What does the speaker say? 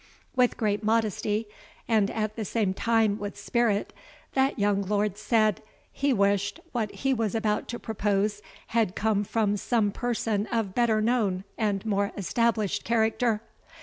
With great modesty, and at the same time with spirit, that young lord said, "he wished what he was about to propose had come from some person of better known and more established character.